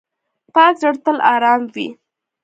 پاک زړه تل آرام وي.